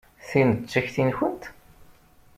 Tin d takti-nwent?